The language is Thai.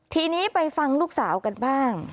ทีนี้ไปฟังลูกสาวกันบ้าง